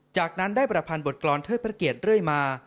จากนั้นได้ประพันธ์บทกรรมเทิดพระเกียรติเรื่อยมา